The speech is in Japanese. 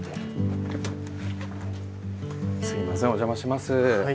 すいませんお邪魔します。